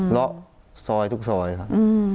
ละซอยทุกซอยครับ